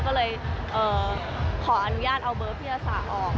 ก็เลยขออนุญาตเอาเบอร์ภิรษาออก